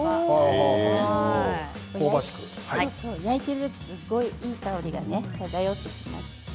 焼いているといい香りが漂ってきます。